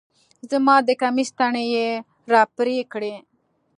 زما د کميس تڼۍ يې راپرې کړې